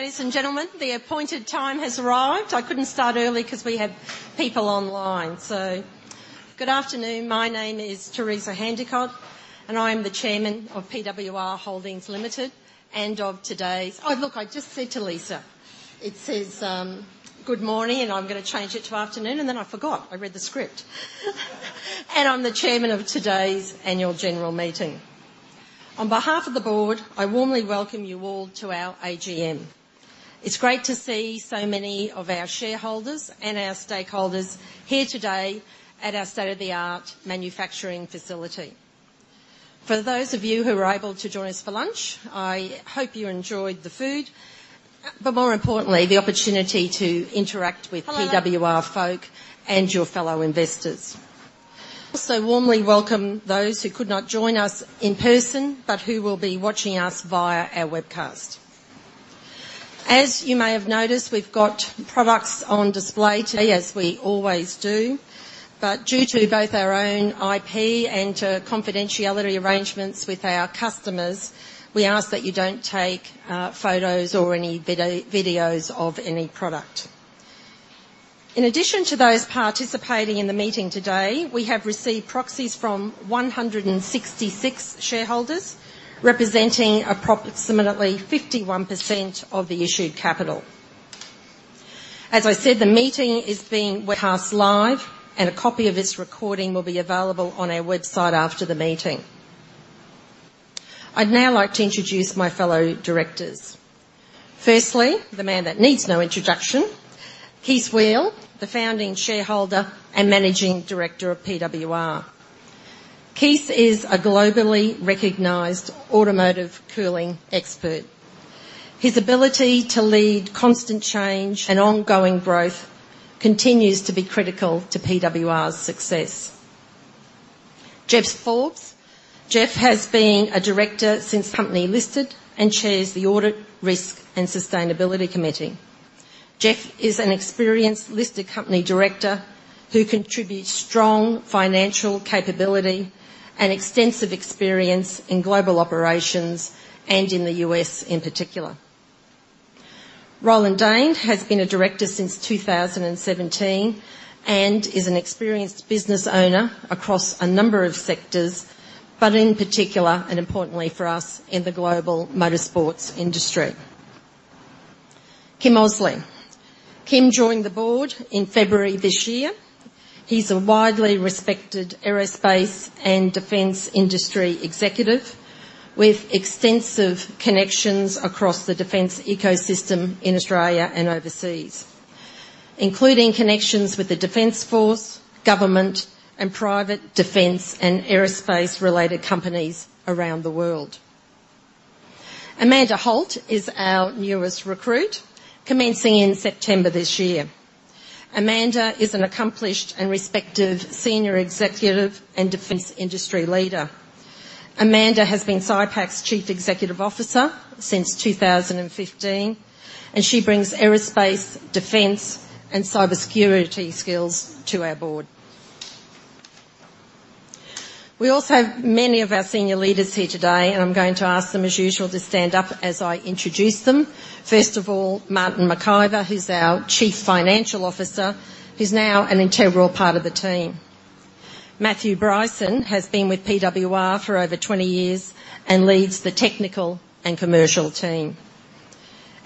Hello, ladies and gentlemen, the appointed time has arrived. I couldn't start early 'cause we have people online. So good afternoon. My name is Teresa Handicott, and I am the Chairman of PWR Holdings Limited, and of today's. Oh, look, I just said to Lisa, it says, "Good morning," and I'm gonna change it to afternoon, and then I forgot. I read the script. I'm the Chairman of today's Annual General Meeting. On behalf of the board, I warmly welcome you all to our AGM. It's great to see so many of our shareholders and our stakeholders here today at our state-of-the-art manufacturing facility. For those of you who were able to join us for lunch, I hope you enjoyed the food, but more importantly, the opportunity to interact with PWR folk and your fellow investors. Also warmly welcome those who could not join us in person, but who will be watching us via our webcast. As you may have noticed, we've got products on display today, as we always do, but due to both our own IP and to confidentiality arrangements with our customers, we ask that you don't take photos or any videos of any product. In addition to those participating in the meeting today, we have received proxies from 166 shareholders, representing approximately 51% of the issued capital. As I said, the meeting is being webcast live, and a copy of this recording will be available on our website after the meeting. I'd now like to introduce my fellow directors. Firstly, the man that needs no introduction, Kees Weel, the founding shareholder and managing director of PWR. Kees is a globally recognized automotive cooling expert. His ability to lead constant change and ongoing growth continues to be critical to PWR's success. Jeff Forbes. Jeff has been a director since the company listed and chairs the Audit, Risk and Sustainability Committee. Jeff is an experienced listed company director who contributes strong financial capability and extensive experience in global operations, and in the U.S. in particular. Roland Dane has been a director since 2017, and is an experienced business owner across a number of sectors, but in particular, and importantly for us, in the global motorsports industry. Kym Osley. Kym joined the board in February this year. He's a widely respected aerospace and defense industry executive with extensive connections across the defense ecosystem in Australia and overseas, including connections with the Defense Force, government, and private defense and aerospace-related companies around the world. Amanda Holt is our newest recruit, commencing in September this year. Amanda is an accomplished and respected senior executive and defense industry leader. Amanda has been SYPAQ's Chief Executive Officer since 2015, and she brings aerospace, defense, and cybersecurity skills to our board. We also have many of our senior leaders here today, and I'm going to ask them, as usual, to stand up as I introduce them. First of all, Martin McIver, who's our Chief Financial Officer, who's now an integral part of the team. Matthew Bryson has been with PWR for over 20 years and leads the technical and commercial team.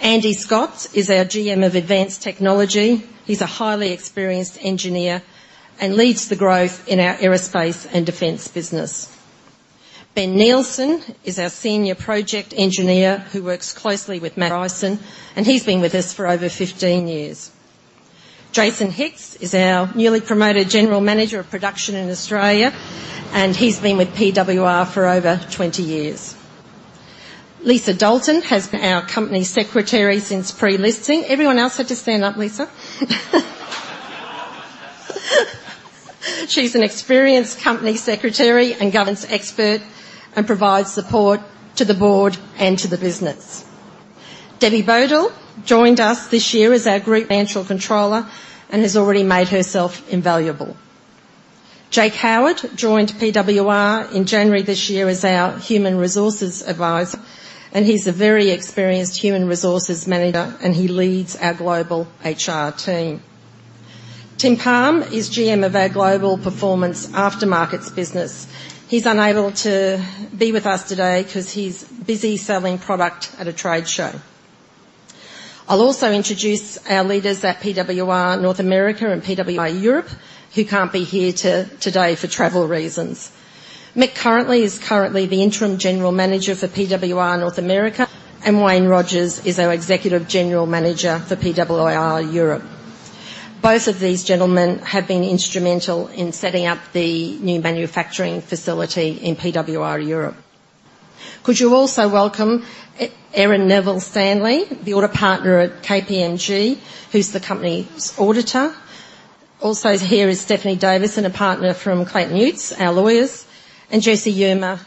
Andy Scott is our GM of Advanced Technology. He's a highly experienced engineer and leads the growth in our aerospace and defense business. Ben Nielsen is our Senior Project Engineer who works closely with Matt Bryson, and he's been with us for over 15 years. Jason Hicks is our newly promoted General Manager of Production in Australia, and he's been with PWR for over 20 years. Lisa Dalton has been our Company Secretary since pre-listing. Everyone else had to stand up, Lisa. She's an experienced company secretary and governance expert and provides support to the board and to the business. Debbie Bodle joined us this year as our Group Financial Controller and has already made herself invaluable. Jake Howard joined PWR in January this year as our Human Resources Advisor, and he's a very experienced human resources manager, and he leads our global HR team. Tim Paum is GM of our Global Performance Aftermarkets business. He's unable to be with us today 'cause he's busy selling product at a trade show. I'll also introduce our leaders at PWR North America and PWR Europe, who can't be here today for travel reasons. Mick is currently the Interim General Manager for PWR North America, and Wayne Rogers is our Executive General Manager for PWR Europe. Both of these gentlemen have been instrumental in setting up the new manufacturing facility in PWR Europe. Could you also welcome Erin Neville-Stanley, the Audit Partner at KPMG, who's the company's auditor? Also here is Stephanie Davis, a partner from Clayton Utz, our lawyers, and Jessie Verma,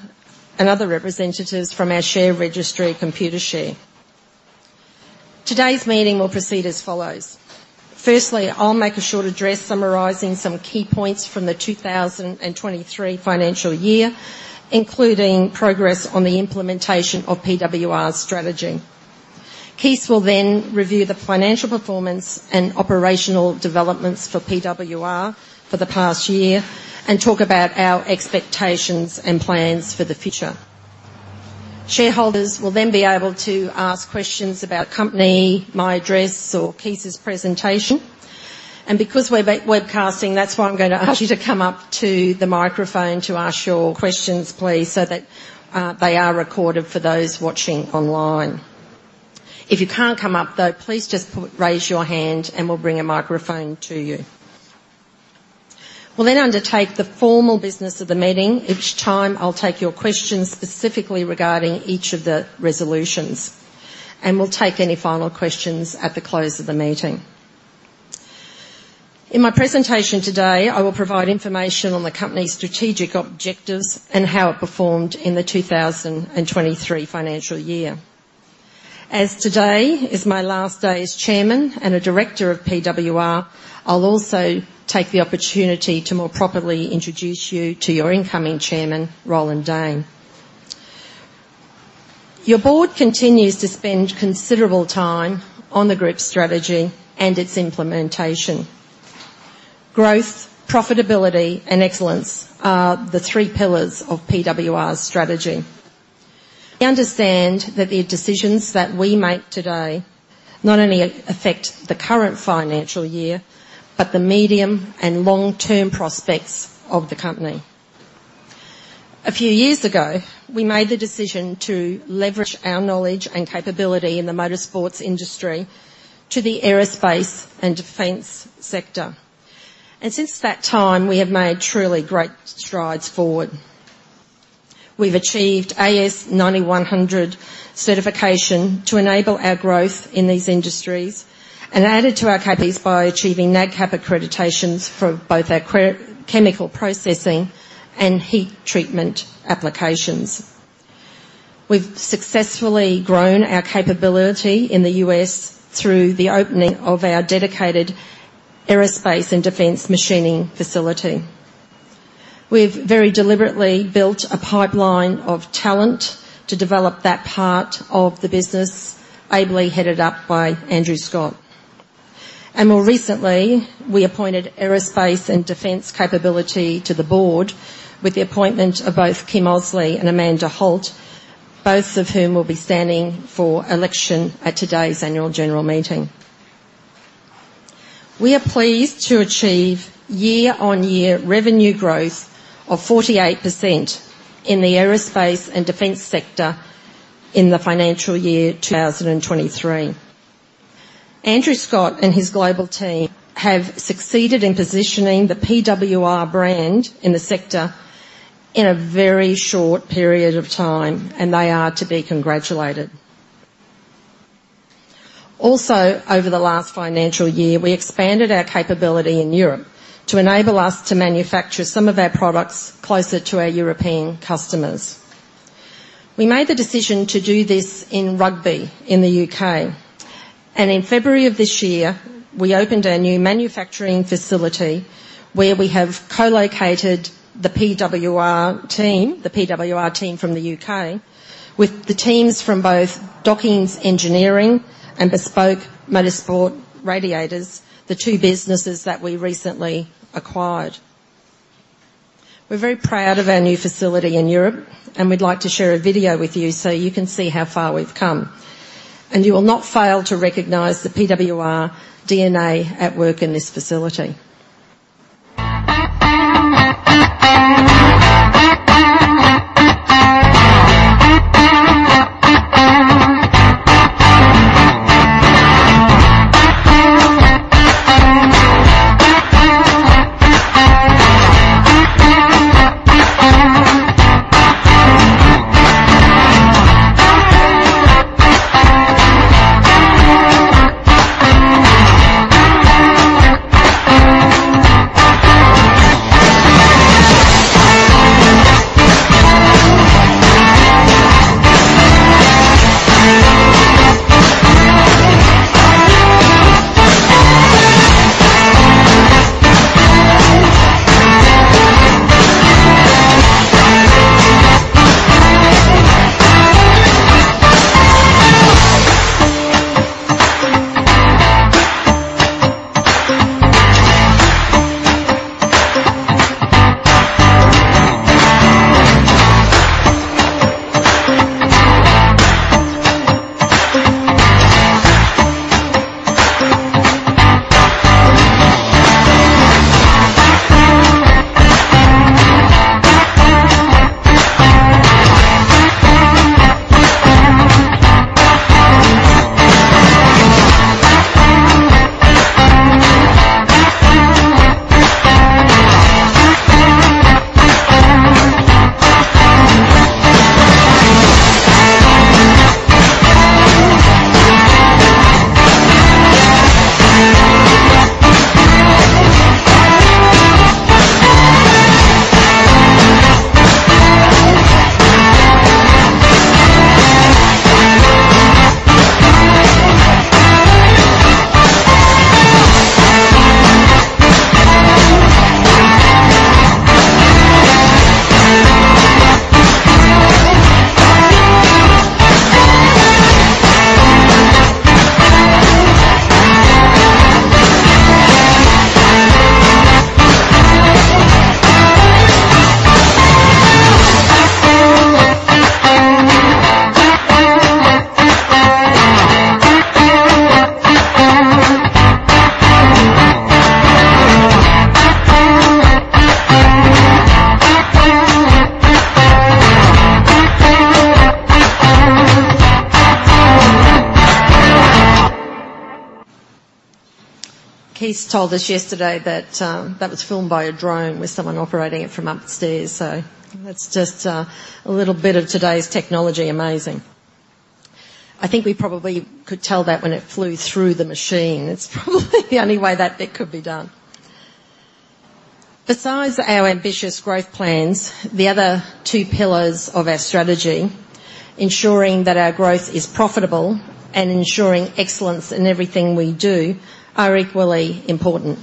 and other representatives from our share registry, Computershare. Today's meeting will proceed as follows: firstly, I'll make a short address summarizing some key points from the 2023 financial year, including progress on the implementation of PWR's strategy. Kees Weel will then review the financial performance and operational developments for PWR for the past year and talk about our expectations and plans for the future. Shareholders will then be able to ask questions about the company, my address, or Kees's presentation. Because we're webcasting, that's why I'm going to ask you to come up to the microphone to ask your questions, please, so that they are recorded for those watching online. If you can't come up, though, please just raise your hand, and we'll bring a microphone to you. We'll then undertake the formal business of the meeting, each time I'll take your questions specifically regarding each of the resolutions, and we'll take any final questions at the close of the meeting. In my presentation today, I will provide information on the company's strategic objectives and how it performed in the 2023 financial year. As today is my last day as Chairman and a Director of PWR, I'll also take the opportunity to more properly introduce you to your incoming Chairman, Roland Dane. Your board continues to spend considerable time on the group's strategy and its implementation. Growth, profitability, and excellence are the three pillars of PWR's strategy. We understand that the decisions that we make today not only affect the current financial year, but the medium and long-term prospects of the company. A few years ago, we made the decision to leverage our knowledge and capability in the motorsports industry to the aerospace and defense sector. And since that time, we have made truly great strides forward. We've achieved AS9100 certification to enable our growth in these industries and added to our capabilities by achieving Nadcap accreditations for both our chemical processing and heat treatment applications. We've successfully grown our capability in the U.S. through the opening of our dedicated aerospace and defense machining facility. We've very deliberately built a pipeline of talent to develop that part of the business, ably headed up by Andrew Scott. More recently, we appointed aerospace and defense capability to the board with the appointment of both Kym Osley and Amanda Holt, both of whom will be standing for election at today's annual general meeting. We are pleased to achieve year-on-year revenue growth of 48% in the aerospace and defense sector in the financial year 2023. Andrew Scott and his global team have succeeded in positioning the PWR brand in the sector in a very short period of time, and they are to be congratulated. Also, over the last financial year, we expanded our capability in Europe to enable us to manufacture some of our products closer to our European customers. We made the decision to do this in Rugby, in the U.K., and in February of this year, we opened our new manufacturing facility, where we have co-located the PWR team, the PWR team from the U.K., with the teams from both Docking Engineering and Bespoke Motorsport Radiators, the two businesses that we recently acquired. We're very proud of our new facility in Europe, and we'd like to share a video with you so you can see how far we've come. And you will not fail to recognize the PWR DNA at work in this facility. ... Kees told us yesterday that that was filmed by a drone with someone operating it from upstairs. So that's just, a little bit of today's technology. Amazing! I think we probably could tell that when it flew through the machine, it's probably the only way that it could be done. Besides our ambitious growth plans, the other two pillars of our strategy, ensuring that our growth is profitable and ensuring excellence in everything we do, are equally important.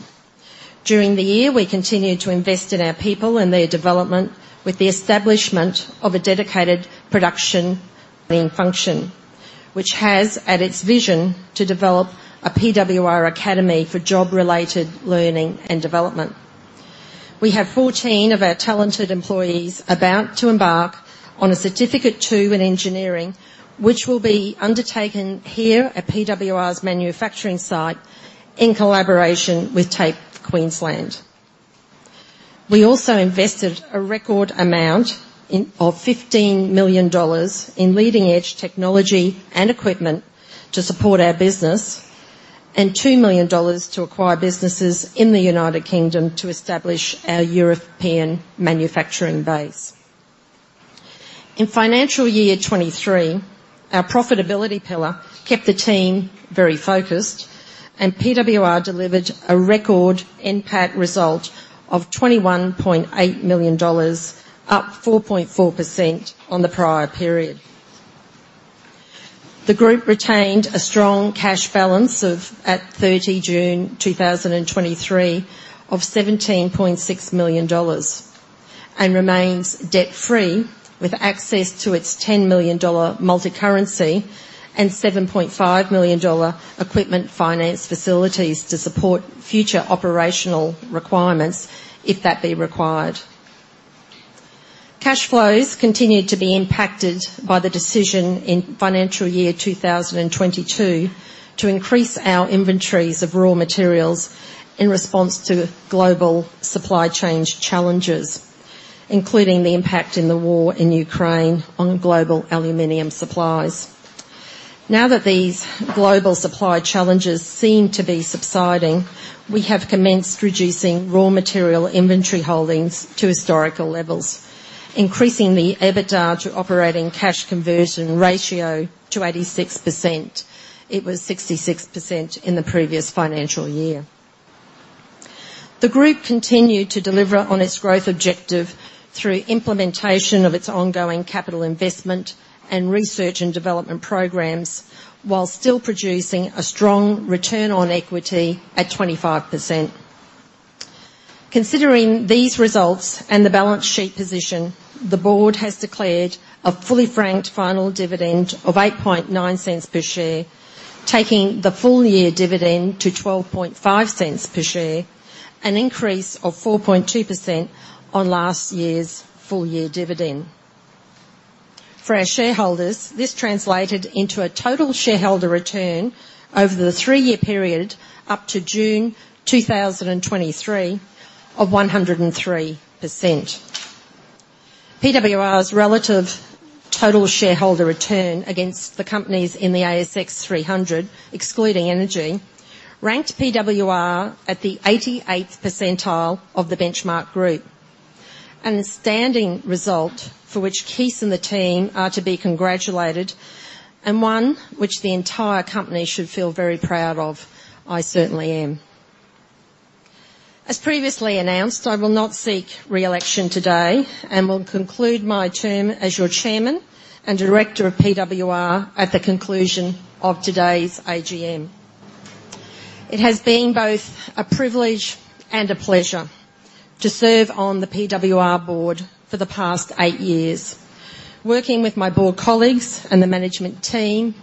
During the year, we continued to invest in our people and their development with the establishment of a dedicated production function, which has, at its vision, to develop a PWR academy for job-related learning and development. We have 14 of our talented employees about to embark on a Certificate II in Engineering, which will be undertaken here at PWR's manufacturing site in collaboration with TAFE Queensland. We also invested a record amount in of 15 million dollars in leading-edge technology and equipment to support our business, and 2 million dollars to acquire businesses in the United Kingdom to establish our European manufacturing base. In financial year 2023, our profitability pillar kept the team very focused, and PWR delivered a record NPAT result of 21.8 million dollars, up 4.4% on the prior period. The group retained a strong cash balance of, at 30 June 2023, of 17.6 million dollars, and remains debt-free, with access to its 10 million dollar multicurrency and 7.5 million dollar equipment finance facilities to support future operational requirements, if that be required. Cash flows continued to be impacted by the decision in financial year 2022, to increase our inventories of raw materials in response to global supply chain challenges, including the impact in the war in Ukraine on global aluminum supplies. Now that these global supply challenges seem to be subsiding, we have commenced reducing raw material inventory holdings to historical levels, increasing the EBITDA to operating cash conversion ratio to 86%. It was 66% in the previous financial year. The group continued to deliver on its growth objective through implementation of its ongoing capital investment and research and development programs, while still producing a strong return on equity at 25%. Considering these results and the balance sheet position, the board has declared a fully franked final dividend of 0.089 per share, taking the full year dividend to 0.125 per share, an increase of 4.2% on last year's full year dividend. For our shareholders, this translated into a total shareholder return over the 3-year period, up to June 2023, of 103%. PWR's relative total shareholder return against the companies in the ASX 300, excluding energy, ranked PWR at the 88th percentile of the benchmark group. An outstanding result for which Kees and the team are to be congratulated, and one which the entire company should feel very proud of. I certainly am. As previously announced, I will not seek re-election today and will conclude my term as your Chairman and Director of PWR at the conclusion of today's AGM. It has been both a privilege and a pleasure to serve on the PWR Board for the past eight years, working with my Board colleagues and the management team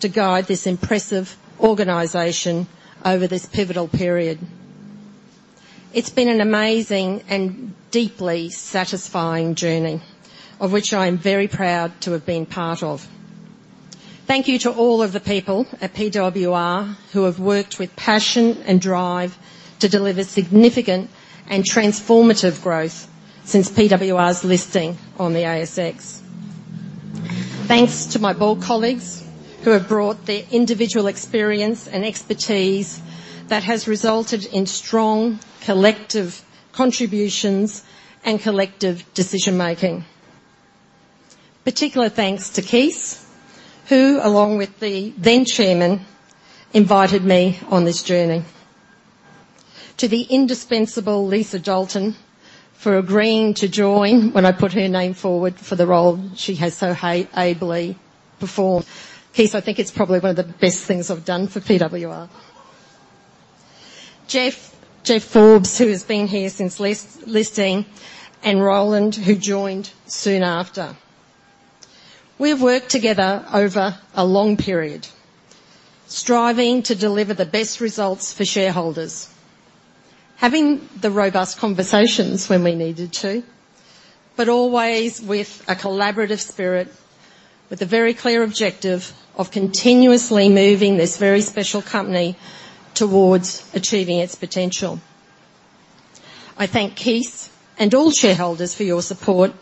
to guide this impressive organization over this pivotal period. It's been an amazing and deeply satisfying journey, of which I am very proud to have been part of. Thank you to all of the people at PWR who have worked with passion and drive to deliver significant and transformative growth since PWR's listing on the ASX. Thanks to my Board colleagues, who have brought their individual experience and expertise that has resulted in strong collective contributions and collective decision-making. Particular thanks to Kees, who, along with the then Chairman, invited me on this journey.... To the indispensable Lisa Dalton for agreeing to join when I put her name forward for the role she has so highly ably performed. Kees, I think it's probably one of the best things I've done for PWR. Jeff, Jeff Forbes, who has been here since listing, and Roland, who joined soon after. We've worked together over a long period, striving to deliver the best results for shareholders. Having the robust conversations when we needed to, but always with a collaborative spirit, with a very clear objective of continuously moving this very special company towards achieving its potential. I thank Kees and all shareholders for your support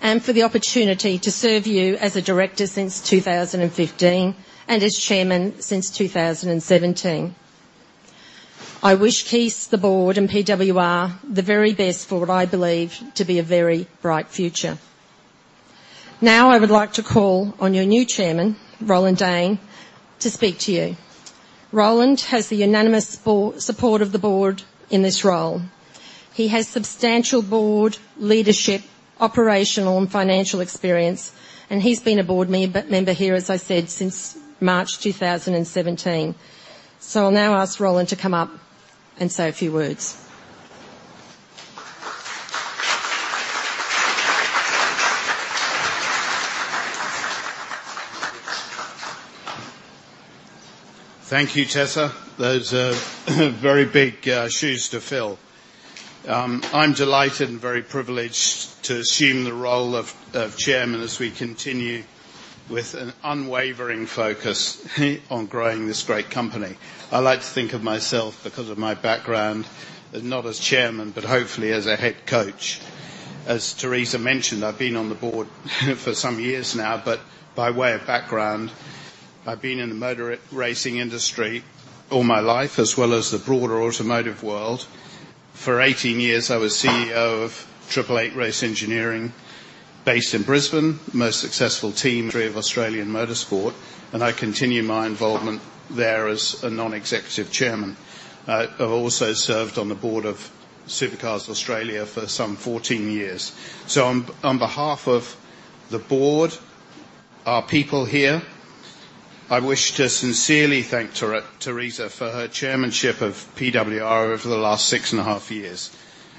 and for the opportunity to serve you as a director since 2015, and as chairman since 2017. I wish Kees, the board, and PWR the very best for what I believe to be a very bright future. Now, I would like to call on your new chairman, Roland Dane, to speak to you. Roland has the unanimous support of the board in this role. He has substantial board leadership, operational and financial experience, and he's been a board member here, as I said, since March 2017. I'll now ask Roland to come up and say a few words. Thank you, Teresa. Those are very big shoes to fill. I'm delighted and very privileged to assume the role of chairman as we continue with an unwavering focus on growing this great company. I like to think of myself, because of my background, not as chairman, but hopefully as a head coach. As Teresa mentioned, I've been on the board for some years now, but by way of background, I've been in the motor racing industry all my life, as well as the broader automotive world. For 18 years, I was CEO of Triple Eight Race Engineering, based in Brisbane, the most successful team of Australian motorsport, and I continue my involvement there as a non-executive chairman. I've also served on the board of Supercars Australia for some 14 years. So, on behalf of the board, our people here, I wish to sincerely thank Teresa for her chairmanship of PWR over the last six and a half years.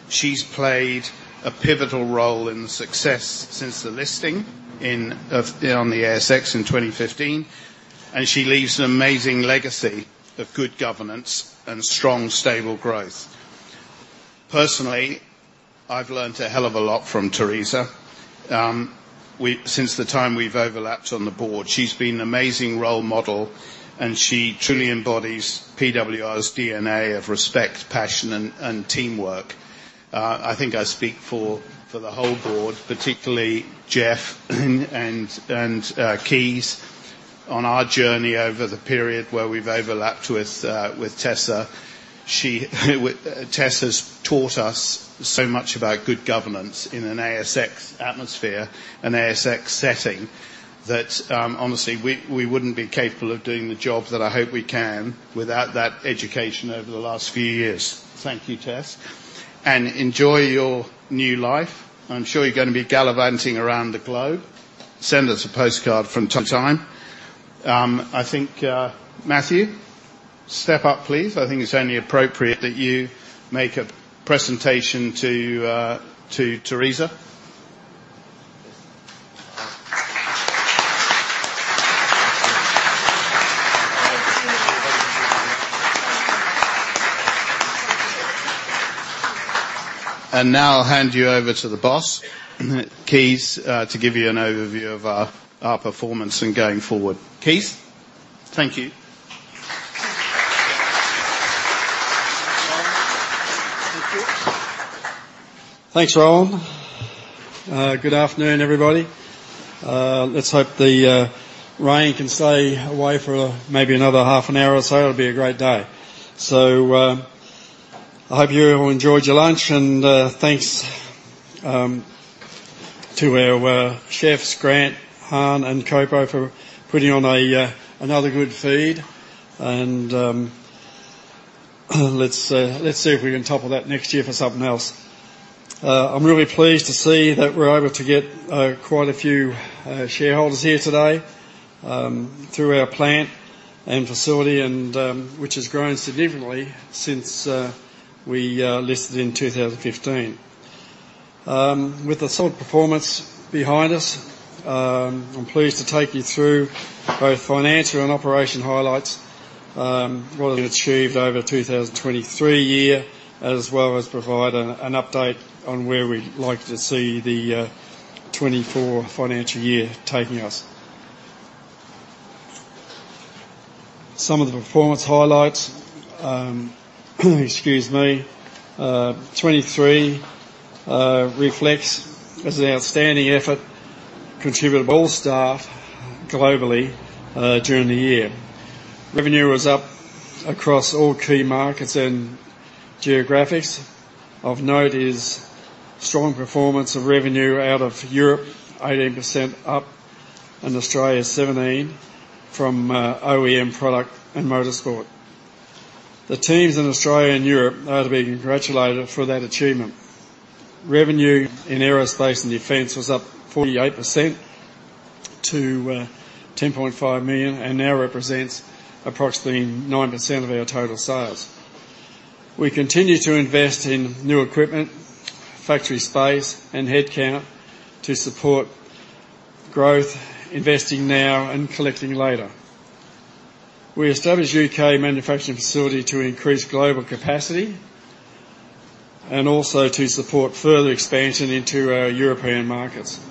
She's played a pivotal role in the success since the listing in, of, on the ASX in 2015, and she leaves an amazing legacy of good governance and strong, stable growth. Personally, I've learned a hell of a lot from Teresa. Since the time we've overlapped on the board, she's been an amazing role model, and she truly embodies PWR's DNA of respect, passion, and teamwork. I think I speak for the whole board, particularly Jeff and Kees. On our journey over the period where we've overlapped with Tessa, Tess has taught us so much about good governance in an ASX atmosphere and ASX setting, that honestly, we wouldn't be capable of doing the job that I hope we can without that education over the last few years. Thank you, Tess, and enjoy your new life. I'm sure you're gonna be gallivanting around the globe. Send us a postcard from time to time. I think Matthew, step up, please. I think it's only appropriate that you make a presentation to Teresa. Now I'll hand you over to the boss, Kees, to give you an overview of our performance and going forward. Kees? Thank you. Thanks, Roland. Good afternoon, everybody. Let's hope the rain can stay away for maybe another half an hour or so. It'll be a great day. So, I hope you all enjoyed your lunch, and thanks to our chefs, Grant, Han, and Coco, for putting on another good feed. And let's see if we can top of that next year for something else. I'm really pleased to see that we're able to get quite a few shareholders here today through our plant and facility, and which has grown significantly since we listed in 2015. With the solid performance behind us, I'm pleased to take you through both financial and operational highlights, what we've achieved over 2023, as well as provide an update on where we'd like to see the 2024 financial year taking us. Some of the performance highlights, 2023 reflects an outstanding effort contributed by all staff globally during the year. Revenue was up across all key markets and geographies. Of note is strong performance of revenue out of Europe, 18% up and Australia 17%, from OEM product and motorsport. The teams in Australia and Europe are to be congratulated for that achievement. Revenue in aerospace and defense was up 48% to 10.5 million, and now represents approximately 9% of our total sales. We continue to invest in new equipment, factory space, and headcount to support growth, investing now and collecting later. We established a U.K. manufacturing facility to increase global capacity and also to support further expansion into our European markets.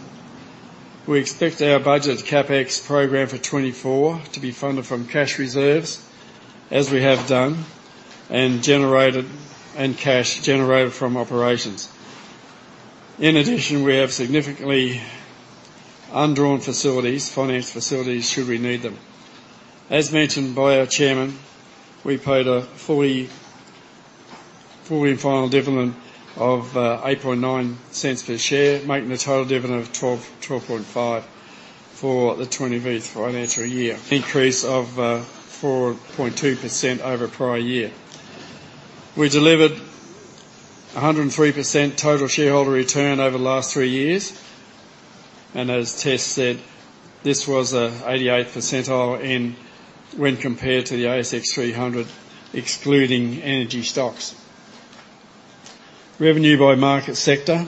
We expect our budgeted CapEx program for 2024 to be funded from cash reserves, as we have done, and cash generated from operations. In addition, we have significantly undrawn finance facilities, should we need them. As mentioned by our Chairman, we paid a fully and final dividend of 0.089 per share, making a total dividend of 0.125 for the 2023-2024 financial year, an increase of 4.2% over the prior year. We delivered 103% total shareholder return over the last three years, and as Tess said, this was an 88th percentile when compared to the ASX 300, excluding energy stocks. Revenue by market sector.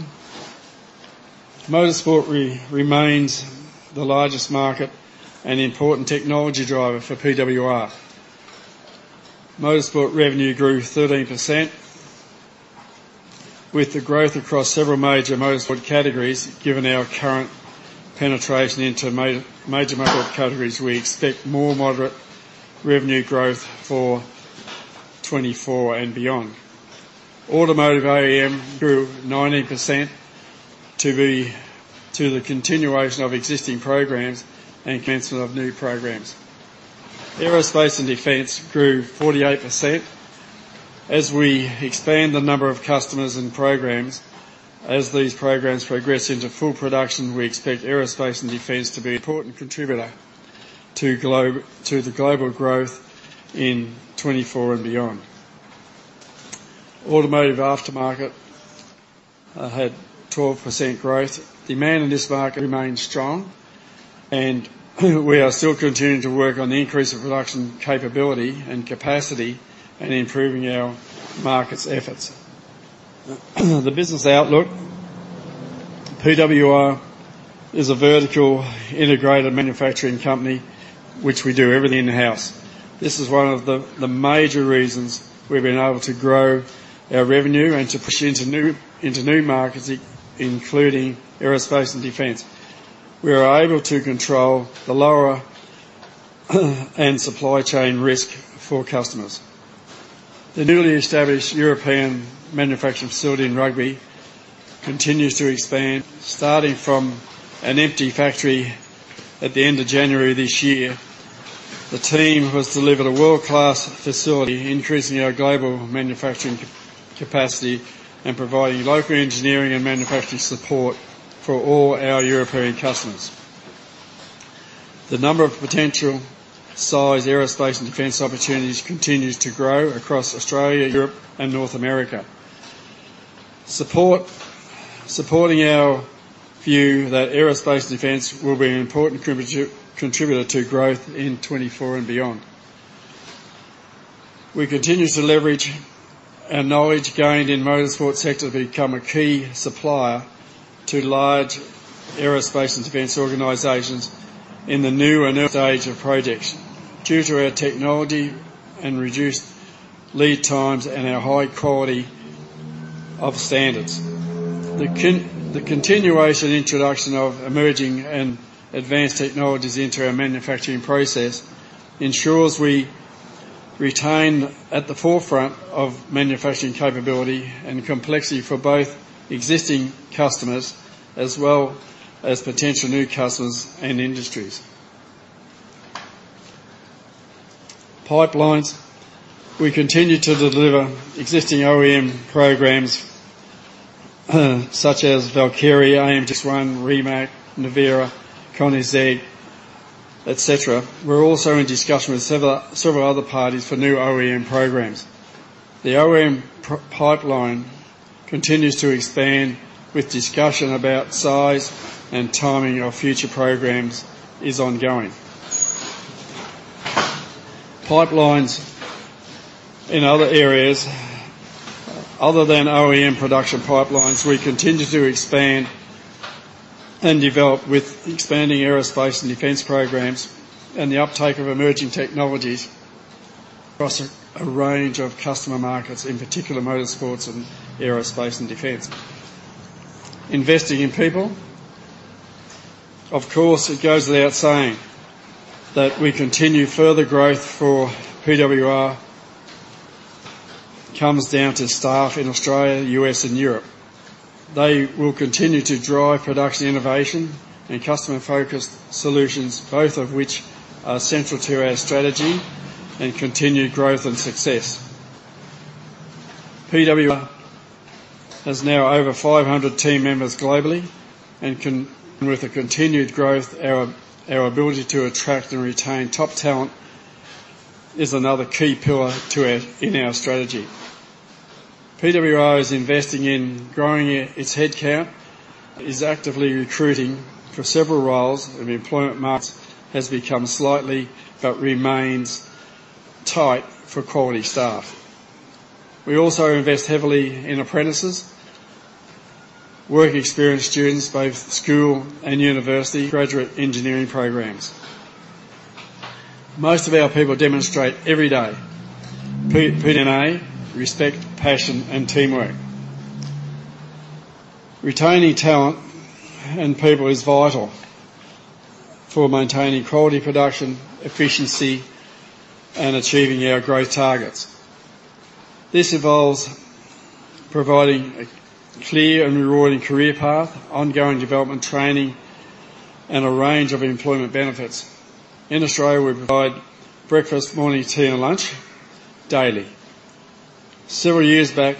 Motorsport remains the largest market and important technology driver for PWR. Motorsport revenue grew 13%, with the growth across several major motorsport categories. Given our current penetration into major motorsport categories, we expect more moderate revenue growth for 2024 and beyond. Automotive OEM grew 19% to the continuation of existing programs and cancellation of new programs. Aerospace and Defense grew 48%. As we expand the number of customers and programs, as these programs progress into full production, we expect Aerospace and Defense to be an important contributor to the global growth in 2024 and beyond. Automotive aftermarket had 12% growth. Demand in this market remains strong, and we are still continuing to work on the increase of production capability and capacity and improving our marketing efforts. The business outlook. PWR is a vertically integrated manufacturing company, which we do everything in-house. This is one of the major reasons we've been able to grow our revenue and to push into new markets, including aerospace and defense. We are able to control the lower end and supply chain risk for customers. The newly established European manufacturing facility in Rugby continues to expand. Starting from an empty factory at the end of January this year, the team has delivered a world-class facility, increasing our global manufacturing capacity and providing local engineering and manufacturing support for all our European customers. The number of potential sizable aerospace and defense opportunities continues to grow across Australia, Europe, and North America. Supporting our view that aerospace and defense will be an important contributor to growth in 2024 and beyond. We continue to leverage our knowledge gained in motorsport sector to become a key supplier to large aerospace and defense organizations in the new and early stage of projects due to our technology and reduced lead times and our high quality of standards. The continuation and introduction of emerging and advanced technologies into our manufacturing process ensures we retain at the forefront of manufacturing capability and complexity for both existing customers as well as potential new customers and industries. Pipelines. We continue to deliver existing OEM programs, such as Valkyrie, AMG ONE, Rimac Nevera, Koenigsegg, et cetera. We're also in discussion with several other parties for new OEM programs. The OEM pipeline continues to expand, with discussion about size and timing of future programs is ongoing. Pipelines in other areas. Other than OEM production pipelines, we continue to expand and develop with expanding aerospace and defense programs and the uptake of emerging technologies across a range of customer markets, in particular, motorsports and aerospace and defense. Investing in people. Of course, it goes without saying that we continue further growth, for PWR comes down to staff in Australia, U.S., and Europe. They will continue to drive production, innovation, and customer-focused solutions, both of which are central to our strategy and continued growth and success.... PWR has now over 500 team members globally, and with the continued growth, our ability to attract and retain top talent is another key pillar to our strategy. PWR is investing in growing its headcount, is actively recruiting for several roles, and the employment market has become slightly, but remains tight for quality staff. We also invest heavily in apprentices, work experience students, both school and university graduate engineering programs. Most of our people demonstrate every day PWR NA, respect, passion, and teamwork. Retaining talent and people is vital for maintaining quality production, efficiency, and achieving our growth targets. This involves providing a clear and rewarding career path, ongoing development training, and a range of employment benefits. In Australia, we provide breakfast, morning tea, and lunch daily. Several years back,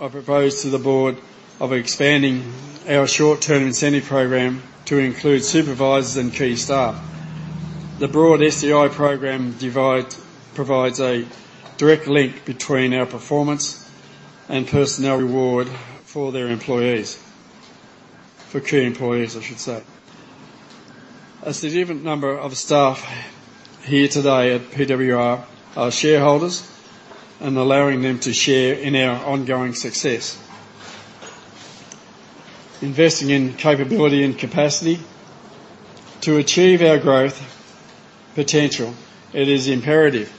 I proposed to the board of expanding our short-term incentive program to include supervisors and key staff. The broad STI program provides a direct link between our performance and personnel reward for their employees. For key employees, I should say. A significant number of staff here today at PWR are shareholders, allowing them to share in our ongoing success. Investing in capability and capacity. To achieve our growth potential, it is imperative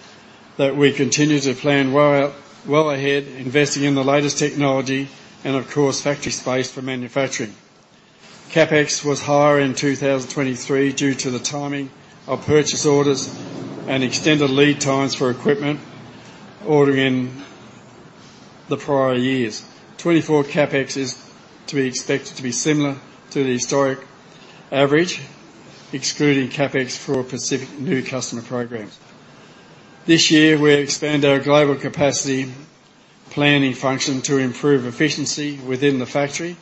that we continue to plan well, well ahead, investing in the latest technology and of course, factory space for manufacturing. CapEx was higher in 2023 due to the timing of purchase orders and extended lead times for equipment ordered in the prior years. 2024 CapEx is to be expected to be similar to the historic average, excluding CapEx for specific new customer programs. This year, we expand our global capacity planning function to improve efficiency within the factory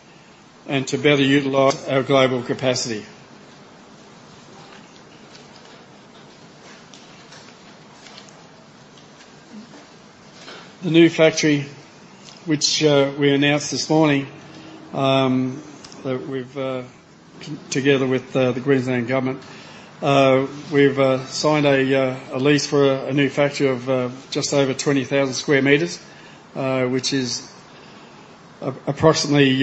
and to better utilize our global capacity. The new factory, which we announced this morning, that we've together with the Queensland Government signed a lease for a new factory of just over 20,000 square meters, which is approximately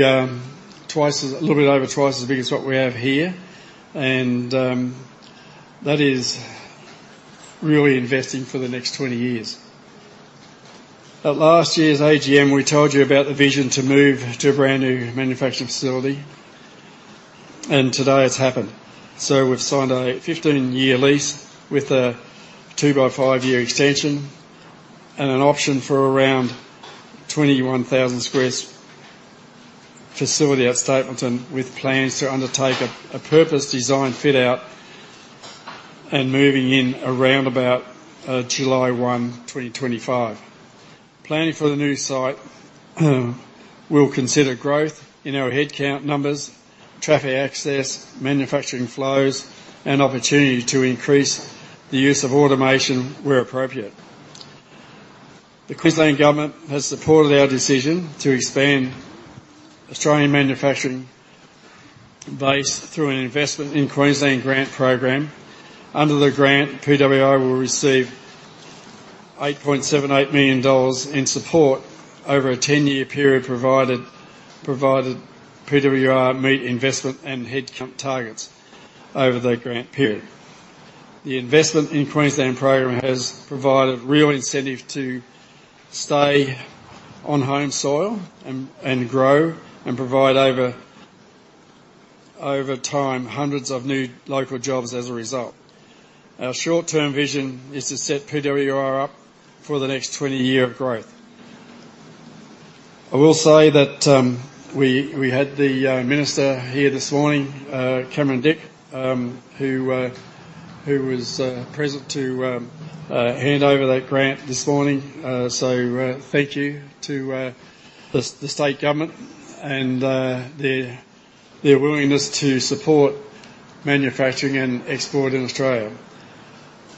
twice as... A little bit over twice as big as what we have here, and that is really investing for the next 20 years. At last year's AGM, we told you about the vision to move to a brand-new manufacturing facility, and today it's happened. We've signed a 15-year lease with a 2x5-year extension and an option for around 21,000 sq ft facility at Stapleton, with plans to undertake a purpose design fit-out and moving in around about July 1, 2025. Planning for the new site will consider growth in our headcount numbers, traffic access, manufacturing flows, and opportunity to increase the use of automation where appropriate. The Queensland Government has supported our decision to expand Australian manufacturing base through an Invested in Queensland grant program. Under the grant, PWR will receive 8.78 million dollars in support over a 10-year period, provided PWR meet investment and headcount targets over the grant period. The Invested in Queensland program has provided real incentive to stay on home soil and grow and provide over time, hundreds of new local jobs as a result. Our short-term vision is to set PWR up for the next 20 year of growth. I will say that, we had the minister here this morning, Cameron Rick, who was present to hand over that grant this morning. So, thank you to the state government and their willingness to support manufacturing and export in Australia.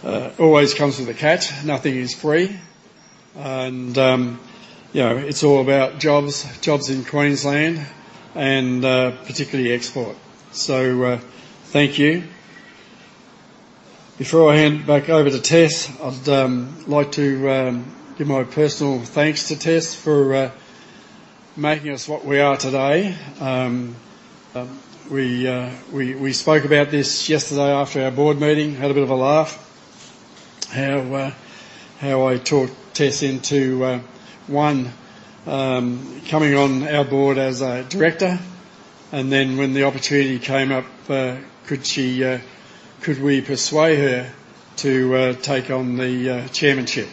Always comes with a catch. Nothing is free. You know, it's all about jobs, jobs in Queensland and particularly export. So, thank you. Before I hand back over to Tess, I'd like to give my personal thanks to Tess for making us what we are today. We spoke about this yesterday after our board meeting, had a bit of a laugh, how I talked Tess into one, coming on our board as a director, and then when the opportunity came up, could we persuade her to take on the chairmanship?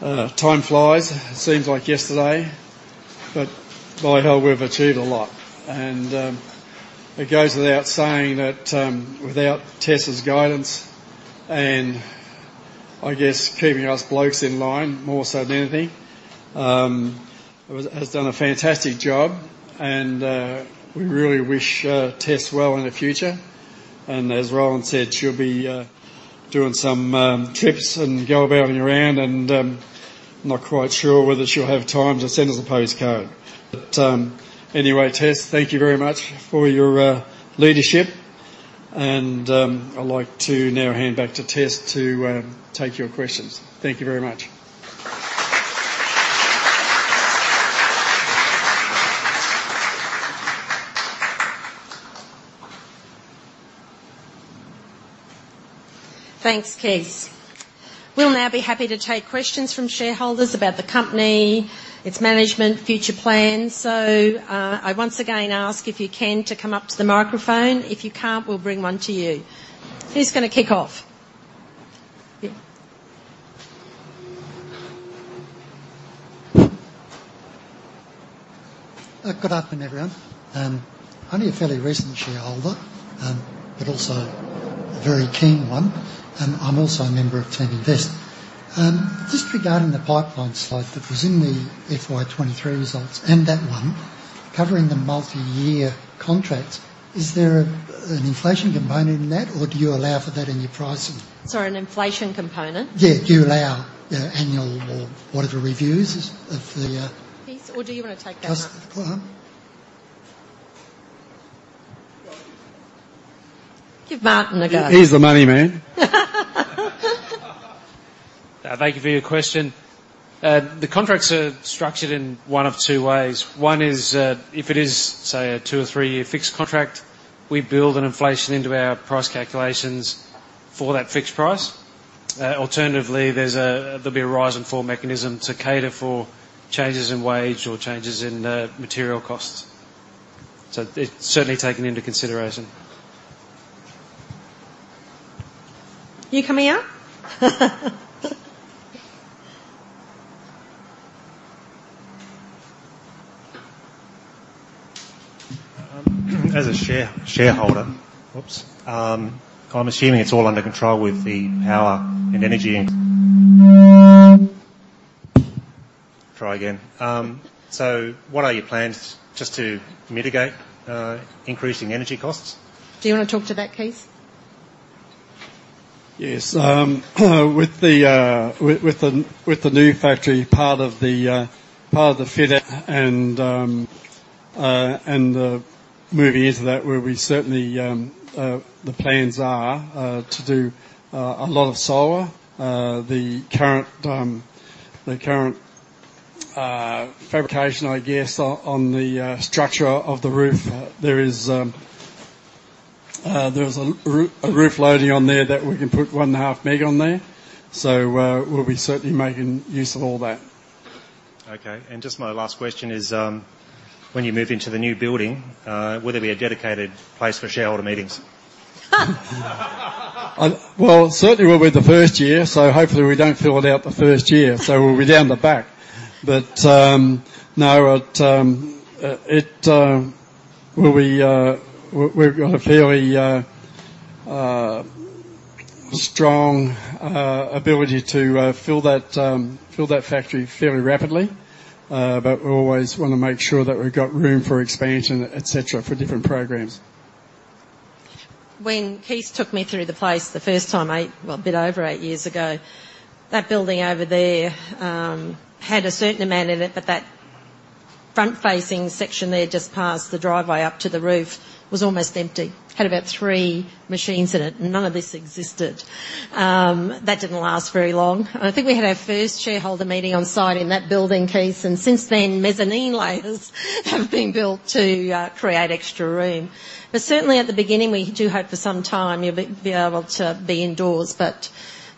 Time flies. It seems like yesterday. But by hell, we've achieved a lot. It goes without saying that without Tess's guidance and I guess keeping us blokes in line, more so than anything, has done a fantastic job. And, we really wish Tess well in the future. And as Roland said, she'll be doing some trips and gallivanting around and not quite sure whether she'll have time to send us a postcard. But, anyway, Tess, thank you very much for your leadership, and I'd like to now hand back to Tess to take your questions. Thank you very much. Thanks, Kees. We'll now be happy to take questions from shareholders about the company, its management, future plans. So, I once again ask, if you can, to come up to the microphone. If you can't, we'll bring one to you. Who's going to kick off? Yeah. Good afternoon, everyone. Only a fairly recent shareholder, but also a very keen one, and I'm also a member of Teaminvest. Just regarding the pipeline slide that was in the FY 23 results, and that one, covering the multi-year contracts, is there an inflation component in that, or do you allow for that in your pricing? Sorry, an inflation component? Yeah, do you allow annual or whatever reviews of the? Kees, or do you want to take that one? Just, uh-huh. Give Martin a go. He's the money man. Thank you for your question. The contracts are structured in one of two ways. One is, if it is, say, a 2- or 3-year fixed contract, we build an inflation into our price calculations for that fixed price. Alternatively, there's a, there'll be a rise and fall mechanism to cater for changes in wage or changes in material costs. So it's certainly taken into consideration. You coming up? What are your plans just to mitigate increasing energy costs? Do you want to talk to that, Kees? Yes, with the new factory, part of the fit-out and moving into that, where we certainly the plans are to do a lot of solar. The current fabrication, I guess, on the structure of the roof, there is a roof loading on there that we can put 1.5 MW on there. So, we'll be certainly making use of all that. Okay, and just my last question is, when you move into the new building, will there be a dedicated place for shareholder meetings? Well, certainly will be the first year, so hopefully we don't fill it out the first year, so we'll be down the back. But no, it will be, we've got a fairly strong ability to fill that factory fairly rapidly. But we always want to make sure that we've got room for expansion, et cetera, for different programs. When Kees took me through the place the first time, 8, well, a bit over 8 years ago, that building over there had a certain amount in it, but that front-facing section there, just past the driveway up to the roof, was almost empty. Had about 3 machines in it, and none of this existed. That didn't last very long. I think we had our first shareholder meeting on-site in that building, Kees, and since then, mezzanine layers have been built to create extra room. But certainly at the beginning, we do hope for some time you'll be able to be indoors, but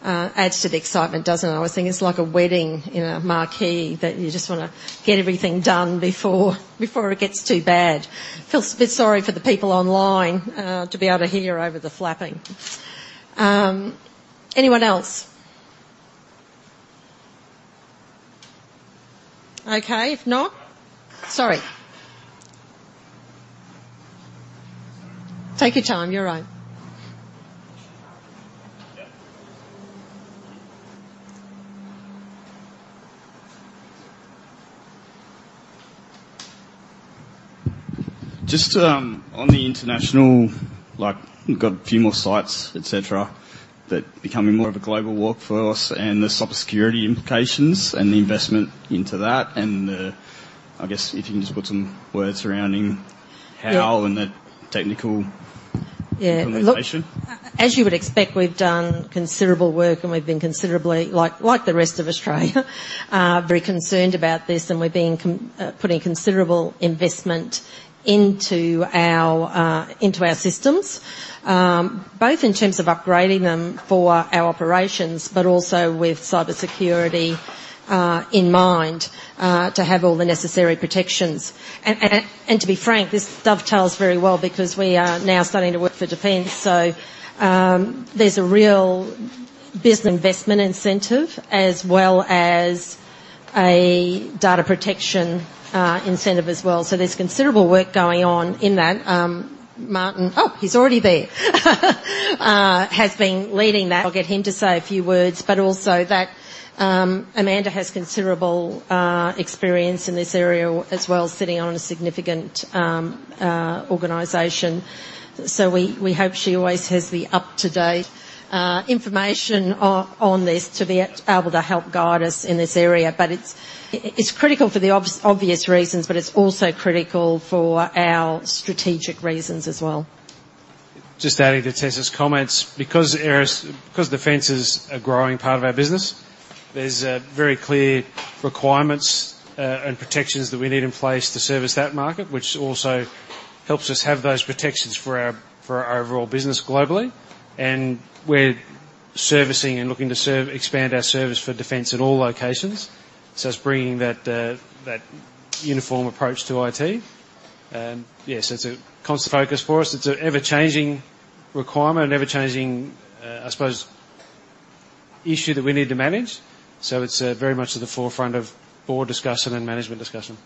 adds to the excitement, doesn't it? I always think it's like a wedding in a marquee, that you just want to get everything done before it gets too bad. Feel a bit sorry for the people online, to be able to hear over the flapping. Anyone else? Okay, if not... Sorry. Take your time. You're right. Yeah. Just on the international, like, you've got a few more sites, et cetera, that becoming more of a global workforce and the cybersecurity implications and the investment into that, and I guess if you can just put some words surrounding how- Yeah- and the technical Yeah -implementation. As you would expect, we've done considerable work, and we've been considerably, like, like the rest of Australia, very concerned about this, and we've been putting considerable investment into our into our systems, both in terms of upgrading them for our operations, but also with cybersecurity in mind to have all the necessary protections. And to be frank, this dovetails very well because we are now starting to work for defense. So, there's a business investment incentive, as well as a data protection incentive as well. So there's considerable work going on in that. Martin. Oh, he's already there! He has been leading that. I'll get him to say a few words, but also that Amanda has considerable experience in this area as well, sitting on a significant organization. So we hope she always has the up-to-date information on this to be able to help guide us in this area. But it's critical for the obvious reasons, but it's also critical for our strategic reasons as well. Just adding to Tessa's comments, because areas, because defense is a growing part of our business, there's very clear requirements and protections that we need in place to service that market, which also helps us have those protections for our, for our overall business globally. We're servicing and looking to serve and expand our service for defense in all locations, so it's bringing that that uniform approach to IT. Yes, it's a constant focus for us. It's an ever-changing requirement and ever-changing, I suppose, issue that we need to manage. It's very much at the forefront of board discussion and management discussion.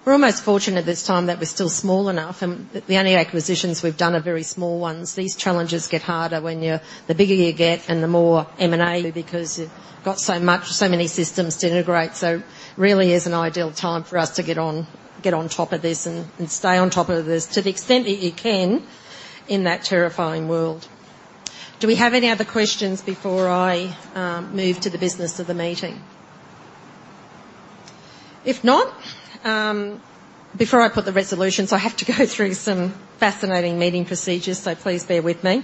Thank you. We're almost fortunate at this time that we're still small enough, and the only acquisitions we've done are very small ones. These challenges get harder when you're... The bigger you get and the more M&A, because you've got so much, so many systems to integrate. So it really is an ideal time for us to get on, get on top of this and, and stay on top of this, to the extent that you can in that terrifying world. Do we have any other questions before I move to the business of the meeting? If not, before I put the resolutions, I have to go through some fascinating meeting procedures, so please bear with me.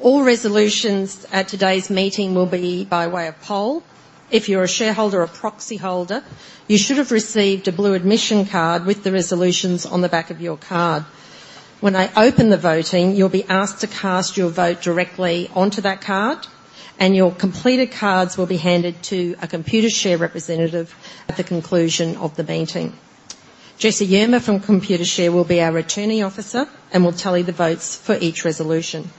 All resolutions at today's meeting will be by way of poll. If you're a shareholder or proxyholder, you should have received a blue admission card with the resolutions on the back of your card. When I open the voting, you'll be asked to cast your vote directly onto that card, and your completed cards will be handed to a Computershare representative at the conclusion of the meeting. Jesse Verma from Computershare will be our returning officer and will tally the votes for each resolution.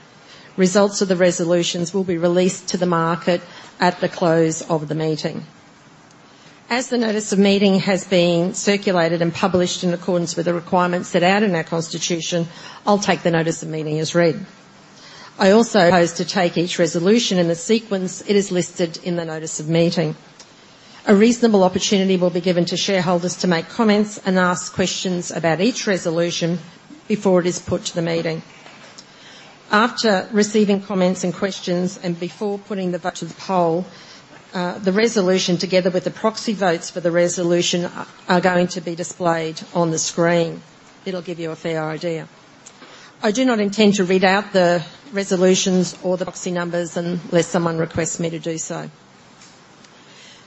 Results of the resolutions will be released to the market at the close of the meeting. As the notice of meeting has been circulated and published in accordance with the requirements set out in our constitution, I'll take the notice of meeting as read. I also propose to take each resolution in the sequence it is listed in the notice of meeting. A reasonable opportunity will be given to shareholders to make comments and ask questions about each resolution before it is put to the meeting. After receiving comments and questions, and before putting the vote to the poll, the resolution, together with the proxy votes for the resolution, are going to be displayed on the screen. It'll give you a fair idea. I do not intend to read out the resolutions or the proxy numbers unless someone requests me to do so.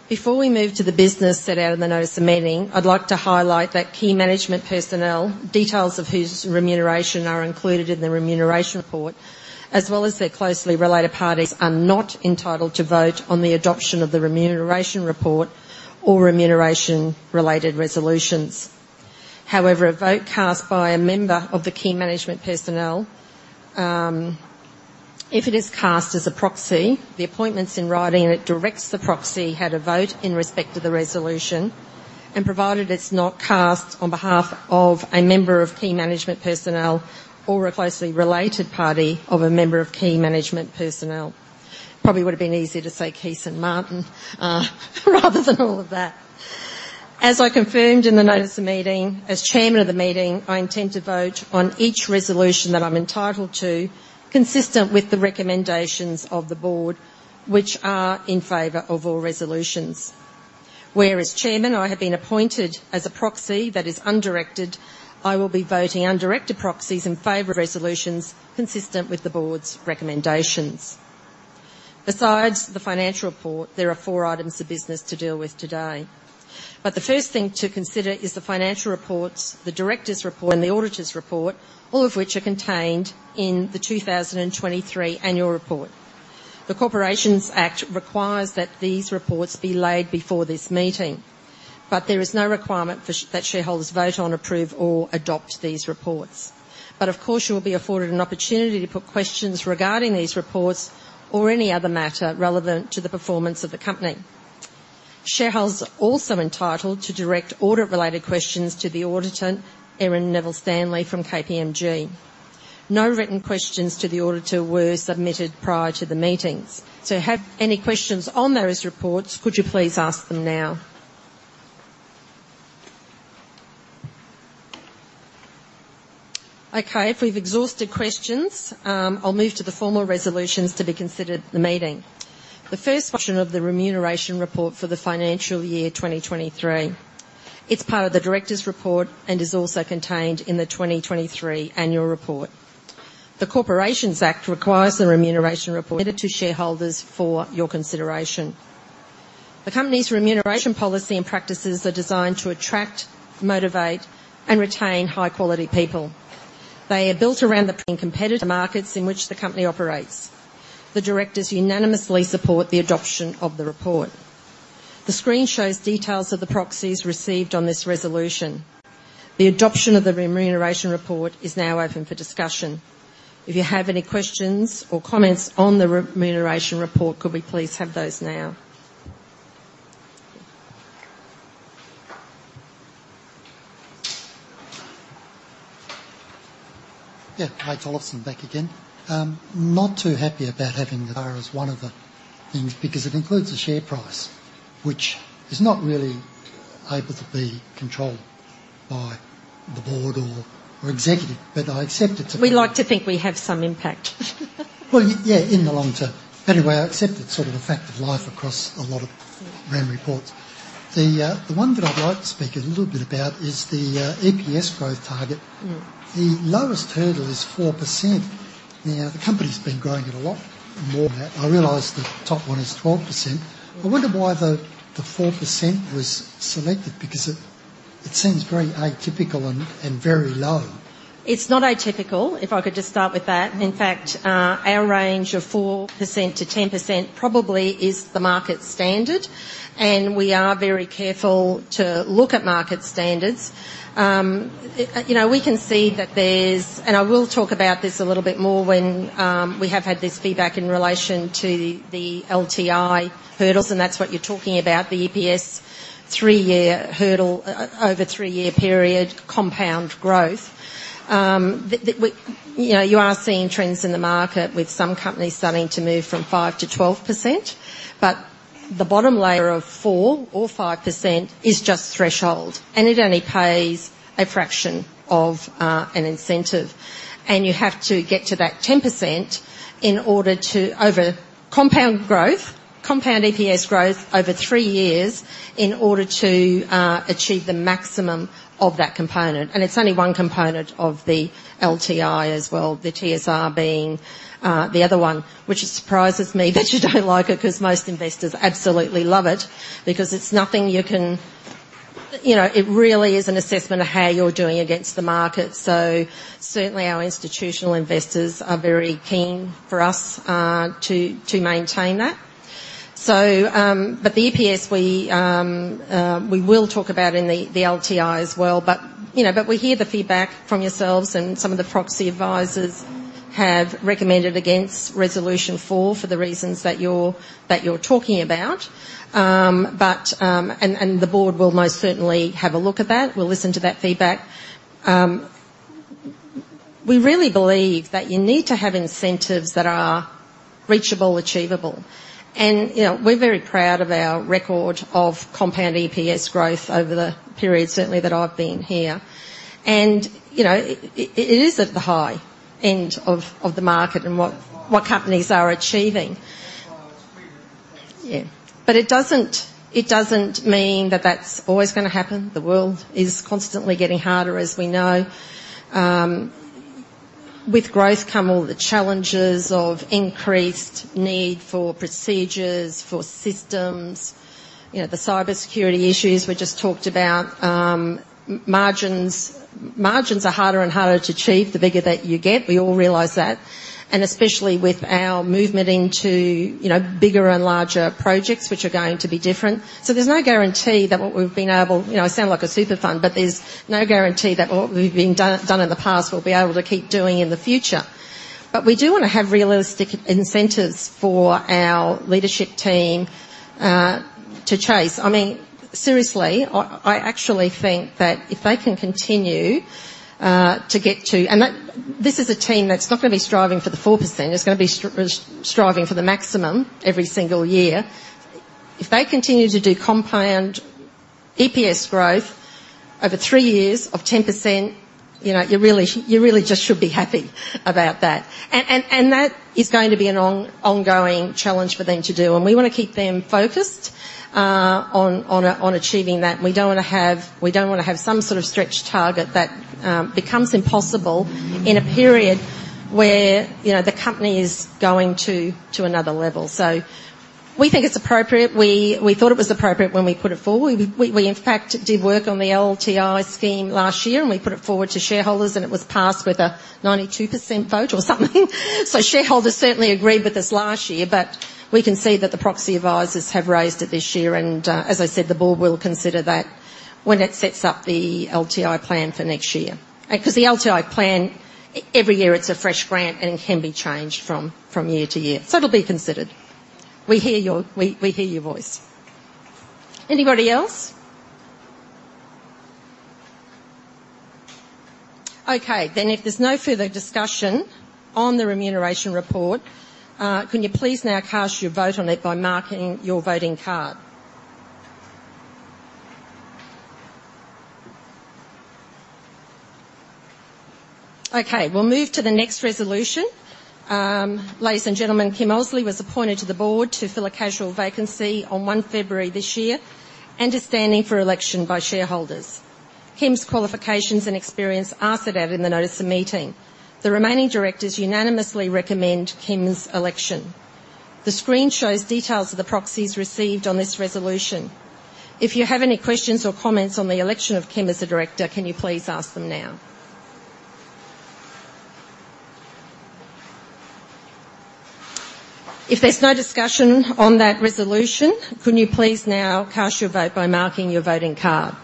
Before we move to the business set out in the notice of meeting, I'd like to highlight that key management personnel, details of whose remuneration are included in the remuneration report, as well as their closely related parties, are not entitled to vote on the adoption of the remuneration report or remuneration-related resolutions. However, a vote cast by a member of the key management personnel, if it is cast as a proxy, the appointment's in writing, and it directs the proxy how to vote in respect to the resolution, and provided it's not cast on behalf of a member of key management personnel or a closely related party of a member of key management personnel. Probably would have been easier to say Kees and Martin rather than all of that. As I confirmed in the notice of meeting, as Chairman of the meeting, I intend to vote on each resolution that I'm entitled to, consistent with the recommendations of the board, which are in favor of all resolutions. Where, as Chairman, I have been appointed as a proxy that is undirected, I will be voting undirected proxies in favor of resolutions consistent with the board's recommendations. Besides the financial report, there are four items of business to deal with today, but the first thing to consider is the financial reports, the directors' report, and the auditors' report, all of which are contained in the 2023 annual report. The Corporations Act requires that these reports be laid before this meeting, but there is no requirement for that shareholders vote on, approve, or adopt these reports. But of course, you will be afforded an opportunity to put questions regarding these reports or any other matter relevant to the performance of the company. Shareholders are also entitled to direct audit-related questions to the auditor, Erin Neville-Stanley from KPMG. No written questions to the auditor were submitted prior to the meetings. So if you have any questions on those reports, could you please ask them now? Okay, if we've exhausted questions, I'll move to the formal resolutions to be considered at the meeting. The first portion of the remuneration report for the financial year 2023. It's part of the directors' report and is also contained in the 2023 annual report. The Corporations Act requires the remuneration report submitted to shareholders for your consideration. The company's remuneration policy and practices are designed to attract, motivate, and retain high-quality people. They are built around the competitive markets in which the company operates. The directors unanimously support the adoption of the report. The screen shows details of the proxies received on this resolution. The adoption of the remuneration report is now open for discussion. If you have any questions or comments on the remuneration report, could we please have those now? Yeah. Mike Oliphant back again. Not too happy about having the bar as one of the things, because it includes the share price, which is not really able to be controlled by the board or executive, but I accept it to- We like to think we have some impact. Well, yeah, in the long term. Anyway, I accept it's sort of a fact of life across a lot of rem reports. The one that I'd like to speak a little bit about is the EPS growth target. Mm. The lowest hurdle is 4%. Now, the company's been growing at a lot more than that. I realize the top one is 12%. I wonder why the 4% was selected, because it seems very atypical and very low. It's not atypical, if I could just start with that. In fact, our range of 4%-10% probably is the market standard, and we are very careful to look at market standards. You know, we can see that there's, and I will talk about this a little bit more when we have had this feedback in relation to the LTI hurdles, and that's what you're talking about, the EPS three-year hurdle, over a three-year period, compound growth. We... You know, you are seeing trends in the market with some companies starting to move from 5%-12%, but the bottom layer of 4% or 5% is just threshold, and it only pays a fraction of an incentive. And you have to get to that 10% in order to, over compound growth, compound EPS growth over three years, in order to, achieve the maximum of that component. And it's only one component of the LTI as well, the TSR being, the other one, which it surprises me that you don't like it, because most investors absolutely love it, because it's nothing you can... You know, it really is an assessment of how you're doing against the market. So certainly our institutional investors are very keen for us, to, to maintain that. So, but the EPS, we, we will talk about in the, the LTI as well. But, you know, but we hear the feedback from yourselves, and some of the proxy advisors have recommended against Resolution Four for the reasons that you're, that you're talking about. But... And the board will most certainly have a look at that. We'll listen to that feedback. We really believe that you need to have incentives that are reachable, achievable. And, you know, we're very proud of our record of compound EPS growth over the period, certainly that I've been here. And, you know, it, it, it is at the high end of, of the market and what, what companies are achieving. That's why it's weird. Yeah. But it doesn't, it doesn't mean that that's always going to happen. The world is constantly getting harder, as we know. With growth come all the challenges of increased need for procedures, for systems, you know, the cybersecurity issues we just talked about. Margins, margins are harder and harder to achieve the bigger that you get. We all realize that, and especially with our movement into, you know, bigger and larger projects, which are going to be different. So there's no guarantee that what we've been able-- You know, I sound like a super fund, but there's no guarantee that what we've been done, done in the past, we'll be able to keep doing in the future. But we do want to have realistic incentives for our leadership team, to chase. I mean, seriously, I actually think that if they can continue to get to—This is a team that's not going to be striving for the 4%. It's going to be striving for the maximum every single year. If they continue to do compound EPS growth over three years of 10%, you know, you really just should be happy about that. And that is going to be an ongoing challenge for them to do, and we want to keep them focused on achieving that. We don't want to have some sort of stretch target that becomes impossible in a period where, you know, the company is going to another level. So we think it's appropriate. We thought it was appropriate when we put it forward. We in fact did work on the LTI scheme last year, and we put it forward to shareholders, and it was passed with a 92% vote or something. So shareholders certainly agreed with this last year, but we can see that the proxy advisors have raised it this year, and, as I said, the board will consider that when it sets up the LTI plan for next year. Because the LTI plan, every year it's a fresh grant and can be changed from year to year. So it'll be considered. We hear your voice. Anybody else? Okay, then if there's no further discussion on the remuneration report, can you please now cast your vote on it by marking your voting card? Okay, we'll move to the next resolution. Ladies and gentlemen, Kym Osley was appointed to the board to fill a casual vacancy on 1 February this year and is standing for election by shareholders. Kym's qualifications and experience are set out in the notice of meeting. The remaining directors unanimously recommend Kym's election. The screen shows details of the proxies received on this resolution. If you have any questions or comments on the election of Kym as a director, can you please ask them now? ... If there's no discussion on that resolution, could you please now cast your vote by marking your voting card?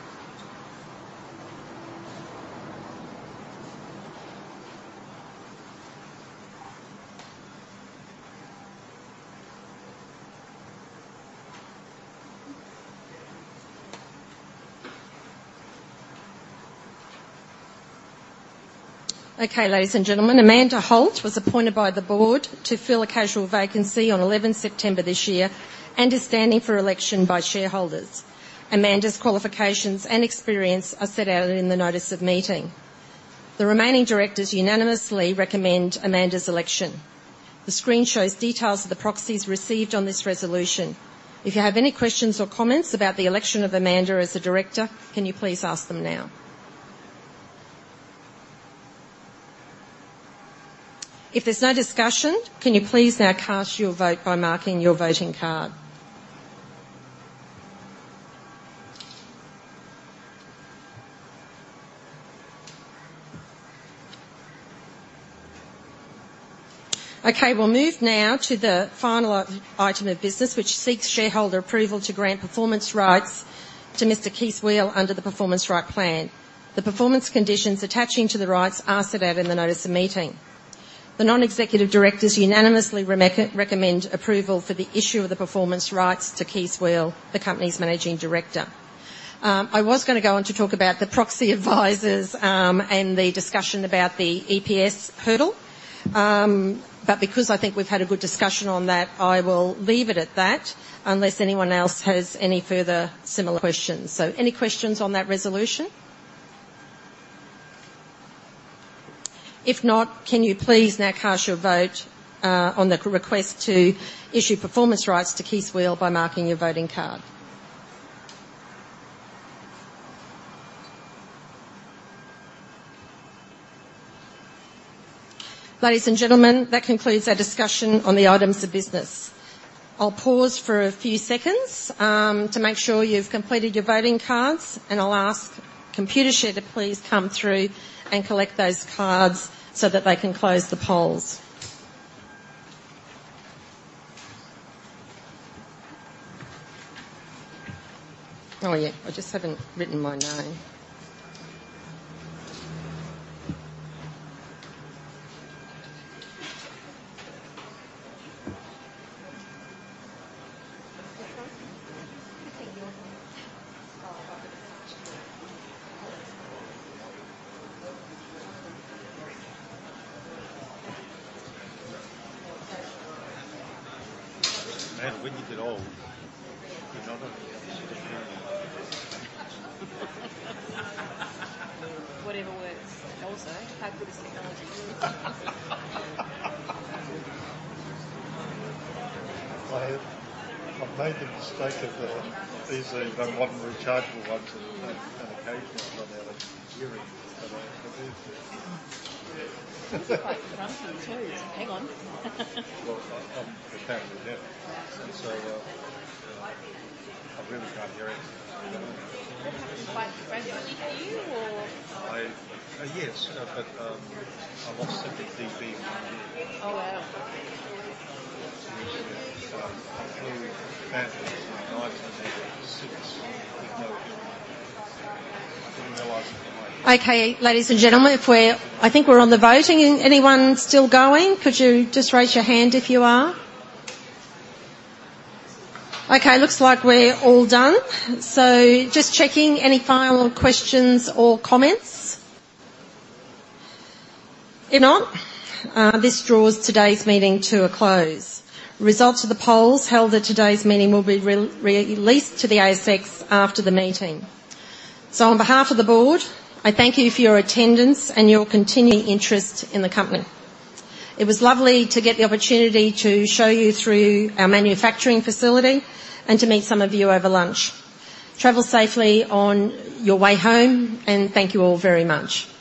Okay, ladies and gentlemen, Amanda Holt was appointed by the board to fill a casual vacancy on 11 September this year, and is standing for election by shareholders. Amanda's qualifications and experience are set out in the notice of meeting. The remaining directors unanimously recommend Amanda's election. The screen shows details of the proxies received on this resolution. If you have any questions or comments about the election of Amanda as a director, can you please ask them now? If there's no discussion, can you please now cast your vote by marking your voting card? Okay, we'll move now to the final item, item of business, which seeks shareholder approval to grant performance rights to Mr. Kees Weel under the Performance Right Plan. The performance conditions attaching to the rights are set out in the notice of meeting. The non-executive directors unanimously recommend approval for the issue of the performance rights to Kees Weel, the company's Managing Director. I was gonna go on to talk about the proxy advisors, and the discussion about the EPS hurdle. But because I think we've had a good discussion on that, I will leave it at that, unless anyone else has any further similar questions. So any questions on that resolution? If not, can you please now cast your vote on the request to issue performance rights to Kees Weel by marking your voting card. Ladies and gentlemen, that concludes our discussion on the items of business. I'll pause for a few seconds to make sure you've completed your voting cards, and I'll ask Computershare to please come through and collect those cards so that they can close the polls. Oh, yeah, I just haven't written my name. Man, when you get old, you know that? Whatever works. Also, how good is technology? I have—I've made the mistake of the, these, modern rechargeable ones, and, on occasion I've run out of hearing, but I... Quite bumpy, too. Hang on. Well, I'm apparently deaf, and so, I really can't hear anything. That happens quite regularly for you, or— I... Yes, but, I lost the big B one year. Oh, wow! So I'm sure it happened in nineteen ninety-six. I didn't realize it at the time. Okay, ladies and gentlemen, if we're—I think we're on the voting. Anyone still going, could you just raise your hand if you are? Okay, looks like we're all done. So just checking, any final questions or comments? If not, this draws today's meeting to a close. Results of the polls held at today's meeting will be released to the ASX after the meeting. So on behalf of the board, I thank you for your attendance and your continued interest in the company. It was lovely to get the opportunity to show you through our manufacturing facility and to meet some of you over lunch. Travel safely on your way home, and thank you all very much.